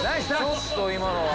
ちょっと今のは。